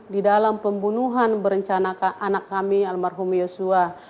di dalam pembunuhan berencana anak kami almarhum yosua